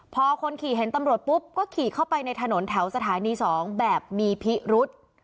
พอคนขี่เห็นตำรวจปุ๊บก็ขี่เข้าไปในถนนแถวสถานี๒แบบมีพิรุษ